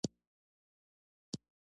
د افغانستان په منظره کې ښتې ښکاره ده.